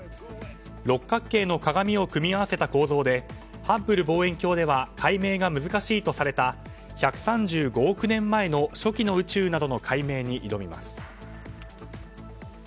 六角形の鏡を組み合わせた構造でハッブル望遠鏡では解明が難しいとされた１３５億年前の初期の宇宙などの解明に挑みます。